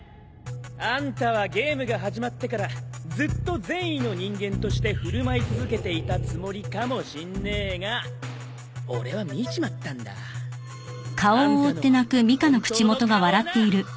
あんたはゲームが始まってからずっと善意の人間として振る舞い続けていたつもりかもしんねえが俺は見ちまったんだあんたの本当の顔をな！